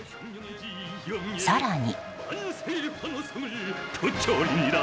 更に。